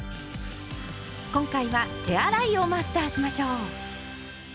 今回は手洗いをマスターしましょう。